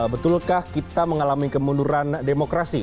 betulkah kita mengalami kemunduran demokrasi